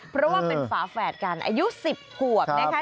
เพราะว่าเป็นฝาแฝดกันอายุ๑๐ขวบนะคะ